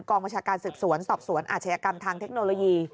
บัญชาการสืบสวนสอบสวนอาชญากรรมทางเทคโนโลยี